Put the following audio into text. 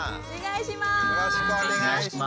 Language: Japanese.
お願いします！